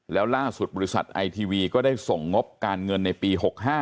แล้วล่าสุดบริษัทไอทีวีก็ได้ส่งงบการเงินในปี๖๕